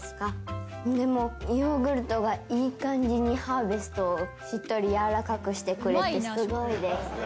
でもヨーグルトがいい感じにハーベストをしっとり軟らかくしてくれてすごいです。